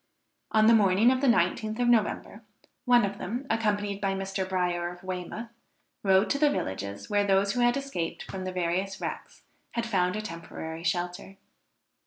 On the morning of the 19th of November, one of them, accompanied by Mr. Bryer of Weymouth, rode to the villages where those who had escaped from the various wrecks had found a temporary shelter.